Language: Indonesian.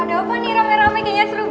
ada apa nih rame rame kayaknya seru bang